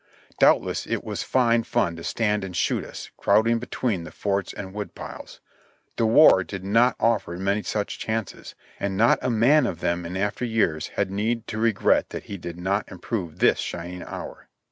Doubtless it was fine fun to stand and shoot us, crowding between the forts and wood piles. The war did not offer many such chances, and not a man of them in after years had need to regret that he did not impro\e this shining hour.